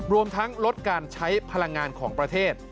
รวมทั้งลดการใช้พลังงานของประเทศ